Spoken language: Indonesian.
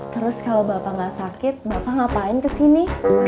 terus kalau bapak nggak sakit bapak ngapain kesini